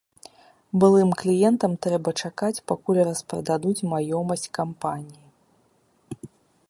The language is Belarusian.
Былым кліентам трэба чакаць, пакуль распрададуць маёмасць кампаніі.